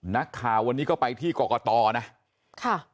นักข่าววันนี้ก็ไปที่กรกตนะค่ะ